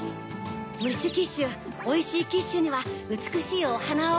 ムッシュ・キッシュおいしいキッシュにはうつくしいおはなを。